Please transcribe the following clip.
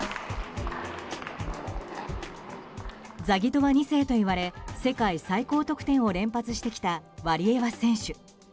ザギトワ２世といわれ世界最高得点を連発してきたワリエワ選手。